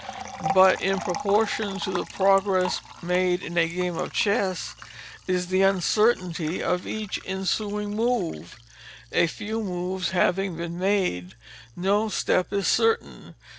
But in proportion to the progress made in a game of chess, is the _uncertainty _of each ensuing move. A few moves having been made, _no _step is certain.